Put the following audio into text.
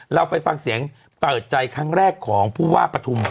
เราไปฟังเสียงเปิดใจครั้งแรกของผู้ว่าปฐุม